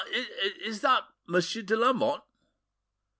is that Monsieur de Lamotte?"